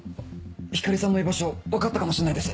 光莉さんの居場所分かったかもしれないです。